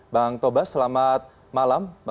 bang tobas selamat malam